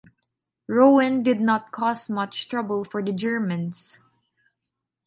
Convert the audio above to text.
Rouen did not cause much trouble for the Germans.